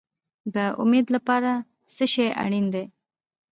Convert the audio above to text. د امید لپاره څه شی اړین دی؟